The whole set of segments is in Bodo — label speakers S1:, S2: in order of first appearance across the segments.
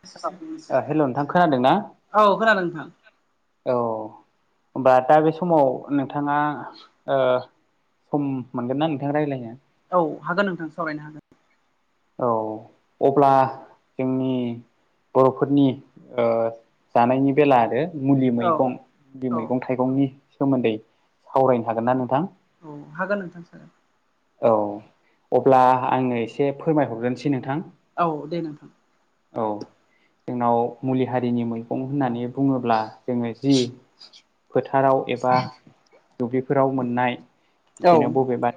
S1: औ
S2: ओ हेल' नोंथां खोनादों ना
S1: खोनादों नोंथां
S2: [inaudible] अ ओमबा दा बे समाव नोंथाङा ओ सम मोनगोन ना नोंथां रायलायनो?
S1: औ हागोन नोंथां सावरायनो हागोन
S2: औ अब्ला जोंनि बर'फोरनि ओ जानायनि बेला आरो मुलि
S1: औ
S2: मैगं मुलि
S1: औ
S2: मैगं थाइगंनि सोमोन्दै सावरायनो हागोन ना नोंथां?
S1: औ हागोन नोंथां सार
S2: औ अब्ला आंनो एसे फोरमायहरग्रोनोसै नोंथां
S1: औ दे नोंथां
S2: औ जोंनाव मुलि हारिनि मैगं होननानै बुङोब्ला जोङो इस जि फोथाराव एबा दुब्लिफोराव मोननाय
S1: औ
S2: बिदिनो बबेबा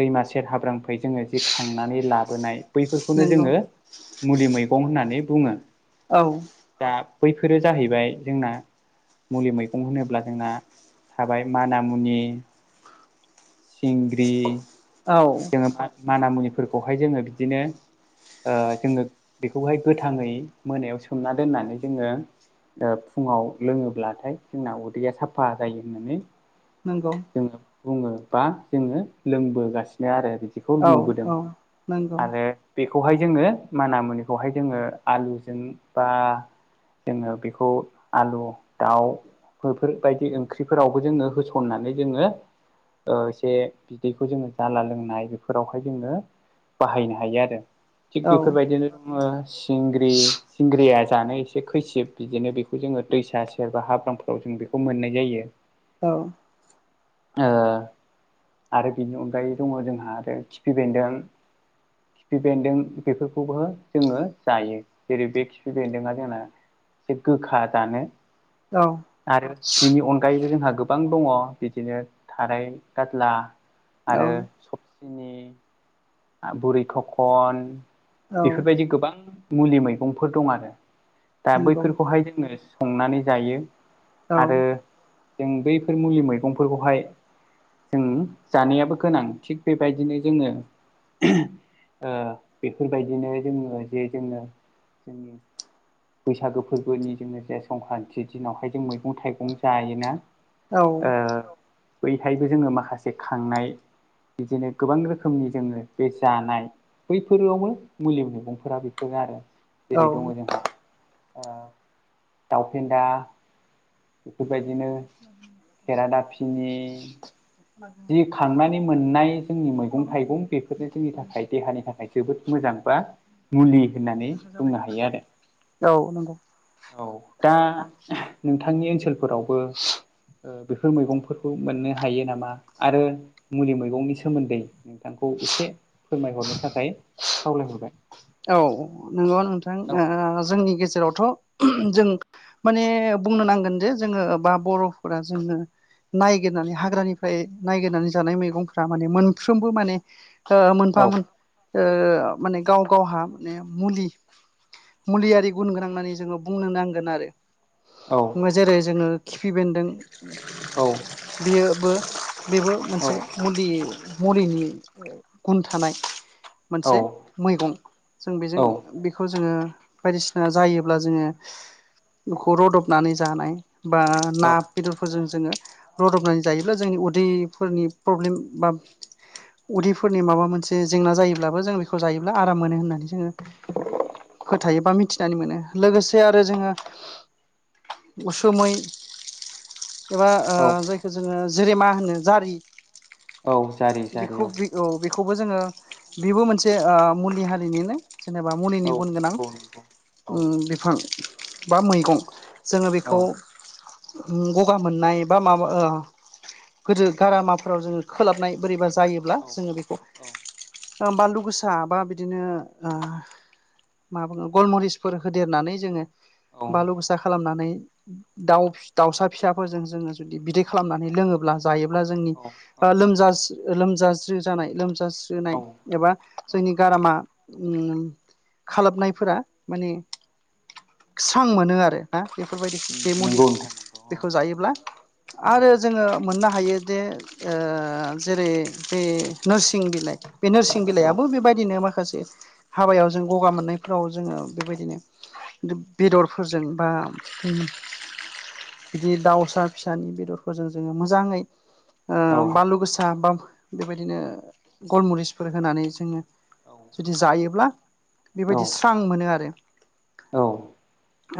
S2: दैमा सेर हाब्रांनिफ्राय जोङो जिखांनानै लाबोनाय बैफोरखौनो
S1: नंगौ
S2: जोङो मुलि मैगं होननानै बुङो।
S1: औ
S2: दा बैफोरो जाहैबाय जोंना मुलि मैगं होनोब्ला जोंना थाबाय माना मुनि सिंग्रि
S1: औ
S2: [unintelligible] मान मुनिफोरखौहाय जोङो बिदिनो ओ जोङो बेखौहाय गोथाङै मोनायाव सोमना दोननानै जोङो ओ फुङाव लोङोब्लाथाय जोंना उदैया साफा जायो होननानै
S1: नोंगौ
S2: जोङो बुङो बा जोङो लोंबोगासिनो आरो बिखौ
S1: औ
S2: नुबोदों
S1: औ नंगौ
S2: आरो बेखौहाय जोङो माना मुनिखौहाय जोङो आलुजों बा जोङो बेखौ आलु दाउ बेफोरबायदि ओंख्रिफोरावबो जोङो होसननानै जोङो। ओ एसे बिदैखौ जोङो जाला लोंनाय बेफोरावहाय जोङो बाहायनो हायो आरो थिग
S1: औ
S2: बेफोरबायदिनो जोंङो सिंग्रि सिंग्रिया जानो एसे खैसिब बिदिनो बेखौ जोङो दैसा सेरबा हाब्रांफोराव जों बेखौ मोननाय जायो।
S1: औ
S2: ओ आरो बेनि अन दायो दङ जोंहा आरो खिफि बेन्दों खिफि बेन्दों बेफोरखौबो जोङो जायो जेरै बे खिफि बेन्दोंआ जोंना एसे गोखा जानो
S1: औ
S2: आरो बिनि अनगायैबो जोंहा गोबां दङ बिदिनो थाराय गाज्ला
S1: औ
S2: आरो सबसिनि ओ बुरि थखन
S1: औ
S2: बेफोरबायदि गोबां मुलि मैगंफोर दं आरो। दा
S1: नंगौ
S2: बैफोरखौहाय जोङो संनानै जायो
S1: औ
S2: आरो जों बैफोर मुलि मैगंफोरखौहाय ओं जानायाबो गोनांथि बेबायदिनो जोङो। ओ बेफोरबायदिनो जोङो जे जोङो जोंनि बैसागो फोरबोनि जोङो जे संख्रान्ति दिनावहाय जों मैगं थाइगं जायोना?
S1: औ
S2: ओ बैहायबो जोङो माखासे खांनाय बिदिनो गोबां रोखोमनि जोङो बे जानाय बैफोरावबो मुलि मैगंफोरा बेफोरनो आरो
S1: औ
S2: जेरै दङ जोंहा ओ दावफेन्दा बेफोरबायदिनो खेरादाफिनि जि खांनानै मोननाय जोंनि मैगं थाइगं बेफोरनो जोंनि थाखाय देहानि थाखाय जोबोद मोजां बा मुलि होननानै बुंनो हायो आरो।
S1: औ नंगौ
S2: औ दा नोंथांनि ओनसोलफोरावबो ओ बेफोर मैगंफोरखौ मोननो हायो नामा? आरो मुलि मैगंनि सोमोन्दै नोंथांखौ एसे फोरमायहरनो थाखाय खावलायहरबाय‌।
S1: औ नंगौ नोंथां ओ जोंनि गेजेरावथ' जों माने बुंनो नांगोन जे जोङो बा बर'फोरा जोङो नायगिरनानै हाग्रानिफ्राय नायगिरनानै जानाय मैगंफ्रा माने मोनफ्रोमबो माने ओ मोनफा
S2: औ
S1: मोन ओ माने गाव गावहा माने मुलि मुलियारि गुन गोनां होननानै जोङो बुंनो नांगोन आरो।
S2: औ
S1: जेरै जोङो खिफि बेन्दों
S2: औ
S1: बियोबो बेबो
S2: औ
S1: मोनसे मुलि मुलिनि गुन थानाय
S2: औ
S1: मोनसे मैगं। जों बेजों बेखौ जोङो बायदिसिना जायोब्ला जोङो बेखौ रदबनानै जानाय। बा
S2: औ
S1: ना बेदरफोरजों जोङो रदबनानै जायोब्ला जोंनि उदैफोरनि प्रब्लेम बा उदैफोरनि माबा मोनसे जेंना जायोब्लाबो जों बेखौ जायोब्ला आ राम मोनो होननानै जोङो फोथायो बा मिथिनानै मोनो लोगोसे आरो जोङो उसुमै एबा ओ
S2: औ
S1: जायखौ जोङो जोरेमा होनो जारि
S2: औ जारि जारि
S1: बेखौ
S2: औ।
S1: औ बेखौबो जोङो बेबो मोनसे ओ मुलि हारिनिनो। जेनेबा
S2: औ
S1: मुलिनि गुन गोनां
S2: नंगौ नंगौ औ
S1: उम बिफां बा मैगं। जोङो
S2: औ
S1: बेखौ गगा मोननाय बा माबा ओ गोदो गारामाफोराव जोङो खोलाबनाय बोरैबा जायोब्ला
S2: औ
S1: जोङो बेखौ
S2: औ
S1: बानलु गोसा बा बि दिनो ओ मा बुङो गलमरिसफोर होदेरनानै जोङो
S2: औ
S1: बालु गोसा खालामनानै दाउ दाउसा फिसाफोरजों जोङो जुदि बिदै खालामनानै लोङोब्ला जायोब्ला जोंनि
S2: औ औ
S1: ओ लोमजाज लोमजाज्रो जानाय
S2: औ
S1: लोमजाज्रोनाय एबा जोंनि गारामा उम खालाबनायफोरा माने स्रां मोनो आरो ना बेफोरबायदि बे मुलि
S2: नंगौ नोंथां नंगौ
S1: बेखौ जायोब्ला
S2: औ
S1: आरो जोङो मोननो हायो जे ओ जेरै बे नोरसिं बिलाइ बे नोरसिं
S2: औ
S1: बिलाइआबो बेबाय इदिनो माखासे हाबायाव जों गगा मोननायफ्राव जोङो बेबायदिनो बेदरफोरजों बा बिदि दाउसा फिसानि बेदरफोरजों जोङो मोजाङै। ओ
S2: औ
S1: बानलु गोसा बा बेबायदिनो गलमुरिसफोर होनानै जोङो जुदि जायोब्ला बेबायदि स्रां मोनो आरो।
S2: औ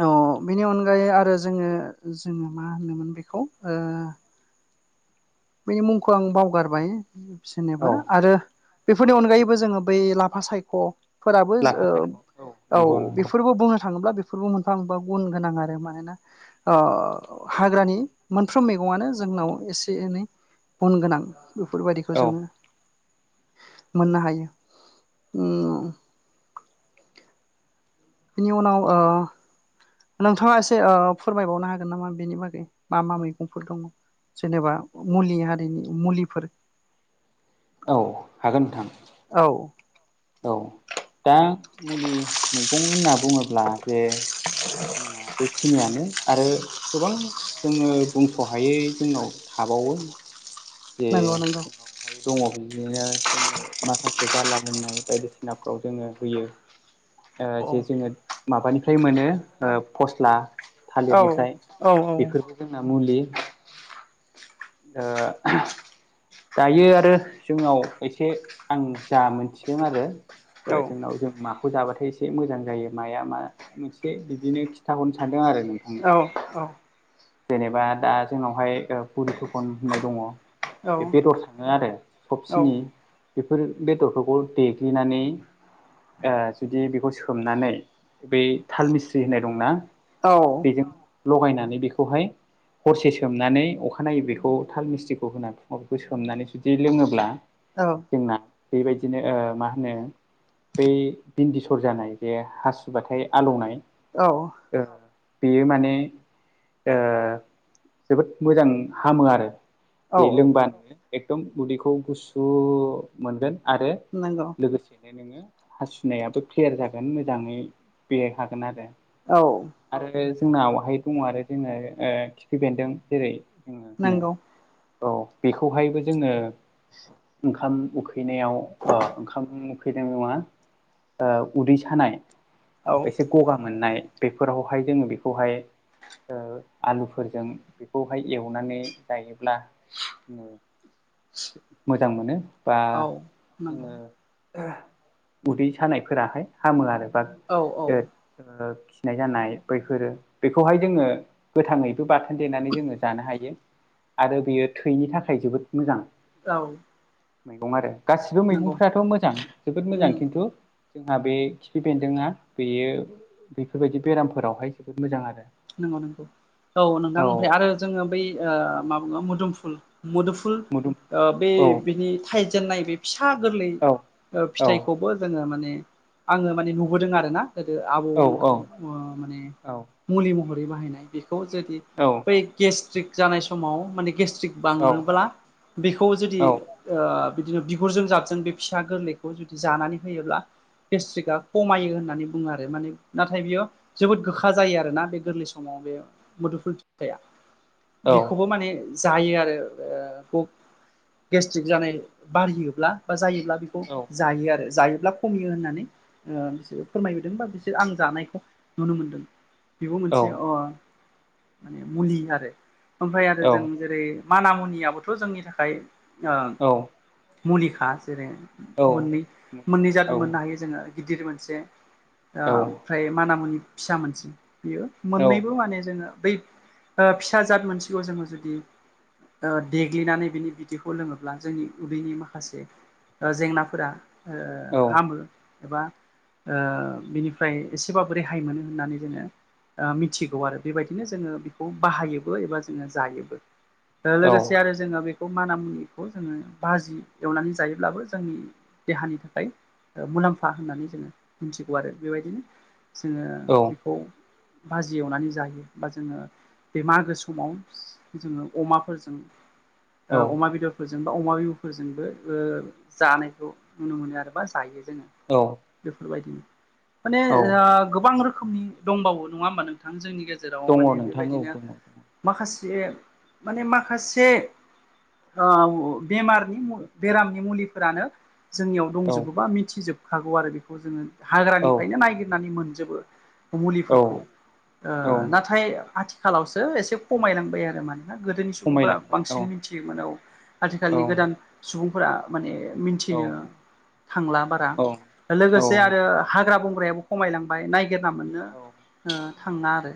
S1: अ बेनि अनगायै आरो जोङो जोङो मा होनोमोन बेखौ ओ
S2: [unintelligible]
S1: बेनि मुंखौ आं बावगारबाय
S2: औ
S1: जेनेबा
S2: औ
S1: आरो बेफोरनि अनगायैबो जोङो बै लाफा सायख' फोराबो
S2: लाफा सायख'
S1: औ
S2: नंगौ नंगौ
S1: बेफोरबो बुंनो थाङोब्ला बेफोरबो मोनफा मोनबा गुन गोनां आरो मानोना ओ हाग्रानि मोनफ्रोम मैगङानो जोंनाव एसे एनै गुन गोनां
S2: औ
S1: बेफोरबायाददिखौ जोङो मोननो हायो। उम बिनि उनाव ओ नोंथाङा एसे ओ फोरमायबावनो हागोन नामा बेनि बागै मा मा मैगंफोर दङ जेनेबा मुलि हारिनि मुलिफोर
S2: औ हागोन नोंथां।
S1: औ
S2: औ दा मुलि मैगं होनना बुङोब्ला जे जोंना बेखिनियानो आरो गोबां जोङो बुंस'हायै जोंनाव थाबावो जे
S1: नंगौ नंगौ
S2: जोंनाव बेहाय दङ बिदिनो जोङो माखासे जानला लोंनाय बायदिसिनाफ्राव जोङो होयो।
S1: औ
S2: जे जोङो माबानिफ्राय मोनो ओ फस्ला
S1: औ
S2: थालिरनिफ्राय
S1: औ
S2: बेफोर
S1: औ
S2: जोंना मुलि ओ दायो आरो जोंनाव एसे आं जा मोनथिदों आरो
S1: औ
S2: जोंनाव जों मा फुजाबाथाय एसे मोजां जायो मआ मा मोनसे बिदिनो खिन्थााहरनो सानदों आरो नोंथांनो
S1: औ औ।
S2: जेनेबा दा जोंनावहाय पुरिथखन होननाय दङ। बे बेदर थाङो आरो सबसिनि बेफोर बेदरफोरखौ देग्लिनानै आ जुदि बेखौ सोमनानै बै थाल मिस्रि होननाय दंना
S1: औ।
S2: बेजों लगायनानै बेखौहाय हरसे सोमनानै अखानायै बेखौ थाल मिस्थिखौ होना अफिस सोमनानै जुदि लोङोब्ला
S1: औ।
S2: जोंना बेबायदिनो मा होनो बै बिन्दि सर जानाय जे हासुुबाथाय आलौनाय।
S1: औ।
S2: औ [inaudible] बेयो माने जोबोद मोजां हामो आरो।
S1: औ
S2: जे लोंबानो एकदम गुदैखौ गुसु मोनगोन आरो
S1: नांगौ।
S2: लोगोसेनो नोङो हासुनायाबो क्लियार जागोन मोजाङै बेराय हागोन आरो
S1: औ।
S2: आरो जोंनावहाय दङ आरो जोंना खिफि बेन्दों जेरै जोङो होनो
S1: नंगौ।
S2: औ बेखौहायबो जोङो ओंखाम उखैनायाव ओ ओंखाम फैदों नङा उदै सानाय
S1: औ
S2: एसे गगा मोननाय बेफोरावहाय जोङो बेखौहाय ओ आलुफोरजों बेखौहाय एवनानै जायोब्ला जोङो मोजां मोनो बा
S1: औ नंगौ
S2: जोङो उदै सानायफोराहाय हामो आरो बाग
S1: [inaudible] [inaudible]
S2: खिनाय जानाय बैफोरो बेखौहाय जोङो गोथाङैबो बाथोन देनानै जोङो जानो हायो। आरो बेयो थैनि थाखाय जोबोद मोजां।
S1: औ।
S2: मैगं आरो गासिबो
S1: नंगौ
S2: मैगंफ्राथ' मोजां जोबोद मोजां
S1: उम
S2: खिन्थु जोंहा बे खिफि बेन्दोंआ बेयो बेफोरबायदि बेरामफोरावहाय जोबोद मोजां आरो।
S1: नंगौ नंगौ। औ नोंथां ओमफ्राय आरो जोङो बै ओ माबा बुङो? मोदोमफुल मुदुफुल
S2: मोदोम
S1: ओ बे
S2: औ
S1: बिनि थायजेनाय बे फिसा गोरलै
S2: औ औ
S1: फिथाइखौबो जोङो माने आङो माने नुबोदों आरोना गोदो
S2: औ
S1: आबौमोनखौ ओ माने
S2: औ।
S1: मुलि महरै बाहायनाय बेखौ जुदि
S2: औ।
S1: बे गेस्ट्रिक जानाय समाव माने गेस्ट्रिक बाङोब्ला बेखौ जुदि ओ बिदिनो बिगुरजों जाबजों बे फिसा गोरलैखौ जुदि जानानै होयोब्ला गेस्ट्रिकआ खमायो होननानै बुङो आरो। माने नाथाय बियो जोबोद गोखा जायो। आरो आरोना बे गोरलै समाव बे मुदुफुल फिथाइया बेखौबो माने जायो आरो ओ गेस्ट्रिक जानाय बारियोब्ला बा जायोब्ला
S2: औ
S1: जायो आरो जायोब्ला खमियो होननानै ओ बिसोरो फोरमायबोदों बा बिसोर आं जानायखौ नुनो मोनदों। बेबो
S2: औ
S1: मोनसे अ माने मुलि आरो ओमफ्राय आरो जों जेरै मान मुनियाबोथ' जोंनि थाखाय ओ
S2: औ।
S1: मुलिखा जेरै
S2: औ
S1: मोननै मोननै
S2: मुलिखा
S1: जाथ
S2: औ
S1: मोननो हायो। जोङो गिदिर मोनसे
S2: औ
S1: ओमफ्राय माना मुनि फिसा मोनसे बियो
S2: औ
S1: मोननैबो माने जोङो बै ओ फिसा जाद मोनसेखौ जोङो जुदि ओ देग्लिनानै बिनि बिदैखौ लोङोब्ला जोंनि उदैनि माखासे जेंनाफोरा ओ
S2: औ
S1: हामो। एबा ओ बिनिफ्राय एसेबाबो रेहाय मोनो होननानै जोङो ओ मिथिगौ आरो बेबायदिनो जोङो बेखौ बाहायोबो एबा जोङो जायोबो। ओ
S2: औ
S1: लोगो आरो जोंना बेखौ माना मुनिखौ जोङो बाजि एवनानै जायोब्लाबो जोंनि देहानि थाखाय मुलाम्फा होननानै जोङो मिथिगौ आरो। बेबायदिनो जोङो
S2: औ।
S1: औ बाजि एवनानै जायो बा जोङो बे मागो समाव जोङो अमाफोरजों ओ अमा बेदर फोरजों बा अमा बिबुफोरजोंबो ओ जानायखौ नुनो मोनो आरो बा जायो जोङो।
S2: औ
S1: बेफोरबायदिनो माने ओ गोबां रोखोमनि दंबावो नङा होमबा जोंनि गेजेराव
S2: दङ
S1: माने
S2: नोंथां औ
S1: बेबायदिनो
S2: दङ दङ
S1: माखासे माने माखासे ओ बेमारनि बेरामनि मुलिफोरानो जोंनियाव
S2: औ
S1: दंजोबोबा मिथिजोबखागौ आरो बेखौ जोङो
S2: औ
S1: हाग्रानिफ्रायनो नायगिरनानै मोनजोबो।
S2: औ
S1: मुलिफोरखौ ओ
S2: औ
S1: नाथाय आथिखालावसो एसे खमायलांबाय आरो माने गोदोनि सुबुंफोरा
S2: खमायलांबाय औ
S1: बांसिन मिथियोमोन औ
S2: औ
S1: आथिखालनि गोदान सुबुं फ्रा माने
S2: औ
S1: मिथिनो थांला बारा
S2: औ औ
S1: लोगोसे आरो हाग्रा बंग्रायाबो खमायलांबाय नायागिरना मोननो
S2: [inaudible]
S1: ओ थाङा आरो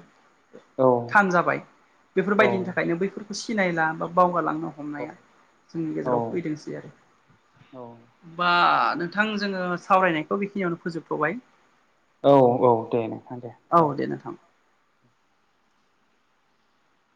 S1: थान जाबाय बेफोरबायदिनि थाखायनो बैफोर सिनायला बा बावगालां हमनाया जोंनि
S2: औ
S1: गेजेराव फैदोंसै आरो
S2: औ
S1: ओमबा थां जोङो सावरायनायखौ बेखिनियावनो फोजोबथ'बाय।
S2: औ औ दे नोंथां दे।
S1: औ दे नोंथां